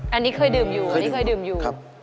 อันนี้เคยดื่มอยู่